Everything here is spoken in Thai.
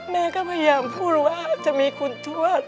แม่ก็พยายามพูดว่าจะมีคุณทวด